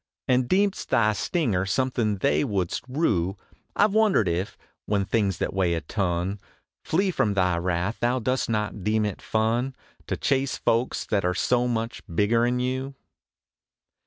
And deem st thy stinger something they wouldst rue, I Ve wondered if, when things that weigh a ton 3 1 SONNETS OF A BUDDING BARD Flee from thy wrath, thou dost not deem it fun To chase folks that are so much bigger n you.